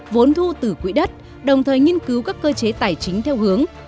vốn thu từ quỹ đất đồng thời nghiên cứu các cơ chế tài chính theo hướng